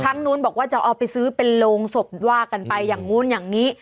ครั้งนู้นบอกว่าจะเอาไปซื้อเป็นโรงศพว่ากันไปอย่างนู้นอย่างนี้